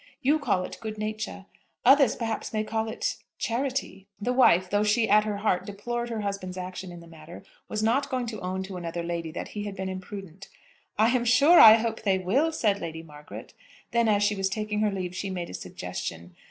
You call it good nature. Others perhaps may call it charity." The wife, though she at her heart deplored her husband's action in the matter, was not going to own to another lady that he had been imprudent. "I am sure I hope they will," said Lady Margaret. Then as she was taking her leave, she made a suggestion.